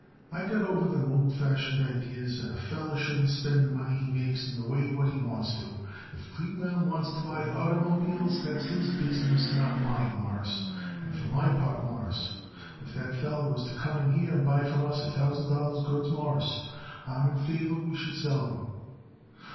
"I got over them old fashioned idees that a feller shouldn't spend the money he makes in the way what he wants to. If Kleebaum wants to buy oitermobiles, that's his business, not mine, Mawruss, and for my part, Mawruss, if that feller was to come in here and buy from us a thousand dollars goods, Mawruss, I am in favor we should sell him."